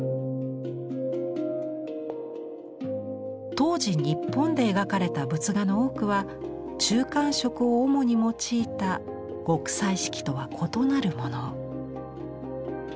当時日本で描かれた仏画の多くは中間色を主に用いた極彩色とは異なるもの。